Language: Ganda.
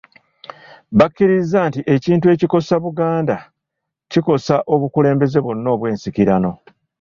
Bakkiriza nti ekintu ekikosa Buganda kikosa obukulembeze bwonna obw’ensikirano.